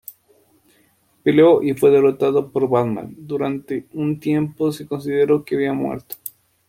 Peleó y fue derrotado por Batman, durante un tiempo se consideró que había muerto.